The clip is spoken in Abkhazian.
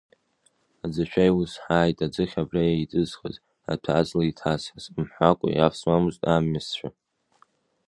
Аӡашәа иузҳааит аӡыхь абра иеиҵызхыз, аҭәаҵла еиҭазҳаз, мҳәакәа иавсуамызт амҩасцәа.